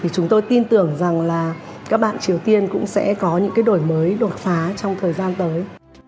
chúng tôi tin tưởng rằng các bạn triều tiên cũng sẽ có những đổi mới đột phá trong thời gian tới